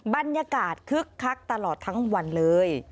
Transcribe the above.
บรรยากาศคึกคักตลอดทั้งวันเลย